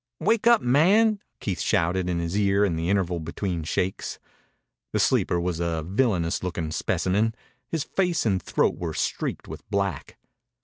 "Wake up, man!" Keith shouted in his ear in the interval between shakes. The sleeper was a villainous looking specimen. His face and throat were streaked with black.